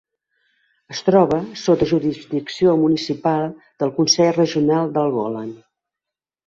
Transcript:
Es troba sota jurisdicció municipal del Consell Regional del Golan.